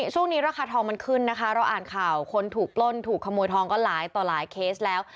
ช่วงนี้ราคาทองมันขึ้นนะคะเราอ่านข่าวคนถูกปล้นถูกขโมยทองก็หลายต่อหลายเคสแล้ว